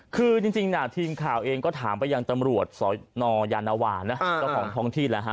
คือจริงทีมข่าวเองก็ถามไปยังตำรวจสนยานวานะเจ้าของท้องที่แล้วฮะ